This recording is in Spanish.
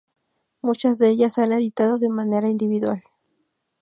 Muchas de ellas se han editado de manera individual.